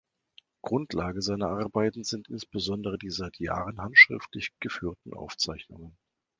Grundlage seiner Arbeiten sind insbesondere die seit Jahren handschriftlich geführten Aufzeichnungen.